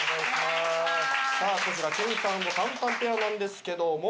さあこちらけんさん＆たんたんペアなんですけども。